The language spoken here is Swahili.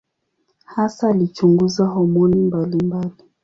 Hasa alichunguza homoni mbalimbali.